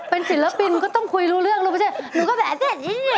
เป็นศิลปินก็ต้องคุยรู้เรื่องลูกไม่ใช่ลูกก็แบบเฮ้ยเฮ้ยเฮ้ยเฮ้ย